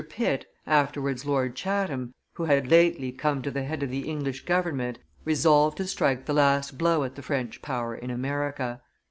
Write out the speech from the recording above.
Pitt, afterwards Lord Chatham, who had lately, come to the head of the English government, resolved to strike the last blow at the French power in America.